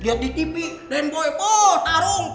lihat di tv den boy poh tarung